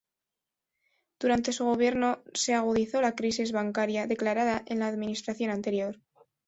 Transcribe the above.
Durante su gobierno se agudizó la crisis bancaria declarada en la administración anterior.